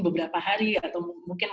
beberapa hari atau mungkin